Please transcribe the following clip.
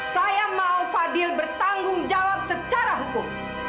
saya mau fadil bertanggung jawab secara hukum